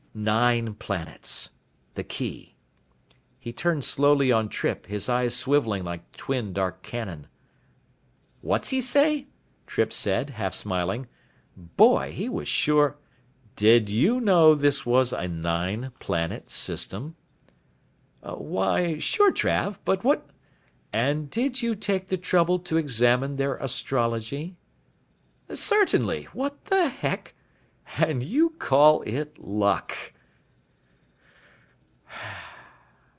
Nine planets. The key. He turned slowly on Trippe, his eyes swivelling like twin dark cannon. "What's he say?" Trippe said, half smiling. "Boy, he was sure " "Did you know this was a nine planet system?" "Why ... sure, Trav. But what " "And did you take the trouble to examine their astrology?" "Certainly. What the heck " "And you call it luck."